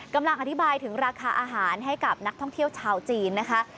กำลังอธิบายถึงราคาอาหารให้กับนักท่องเที่ยวชาวจีนนะคะ